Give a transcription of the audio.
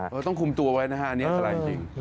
เราต้องคุมตัวไว้นะครับอันนี้เทราะจริง